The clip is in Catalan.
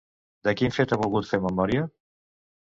De quin fet ha volgut fer memòria?